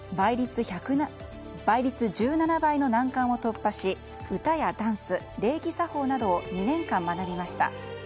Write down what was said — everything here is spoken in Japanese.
倍率１７倍の難関を突破し歌やダンス、礼儀作法など２年間、学びました。